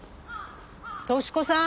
淑子さん？